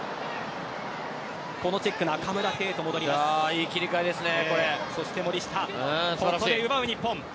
いい切り替えですね。